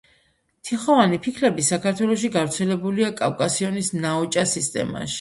თიხოვანი ფიქლები საქართველოში გავრცელებულია კავკასიონის ნაოჭა სისტემაში.